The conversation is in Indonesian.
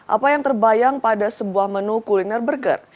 apa yang terbayang pada sebuah menu kuliner burger